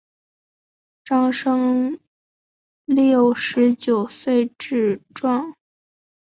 张升六十九岁致仕。